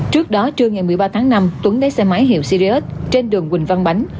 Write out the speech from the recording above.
trước đó trưa ngày một mươi ba tháng năm tuấn lấy xe máy hiệu criot trên đường quỳnh văn bánh